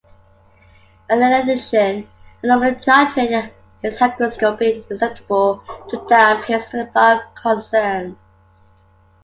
In addition, ammonium nitrate is hygroscopic, susceptible to damp, hence the above concerns.